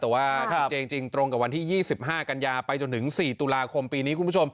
แต่ว่าจริงตรงกับวันที่๒๕กันยาไปจนถึง๔ตุลาคมปีนี้คุณผู้ชม